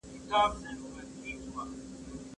که درسونه جذاب وي، بې حوصلګي نه پیدا کيږي.